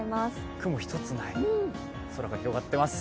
雲一つない空が広がっています。